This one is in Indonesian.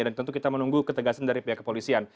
dan tentu kita menunggu ketegasan dari pihak kepolisian